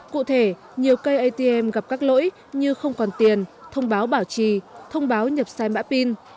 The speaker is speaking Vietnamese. cụ thể nhiều cây atm gặp các lỗi như không còn tiền thông báo bảo trì thông báo nhập sai mã pin